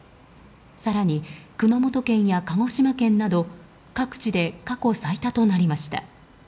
更に、熊本県や鹿児島県など各地で過去最多となりました。